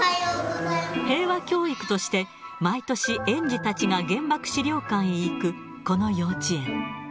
平和教育として毎年、園児たちが原爆資料館へ行く、この幼稚園。